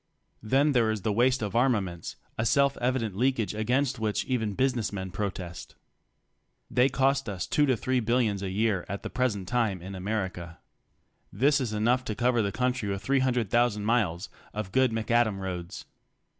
Then there is the waste of armaments, a self evident leak age against which even business men protest. They cost us two to three billions a year at the present time in America. This is enough to cover the country with 300,000 miles of good macadam roads.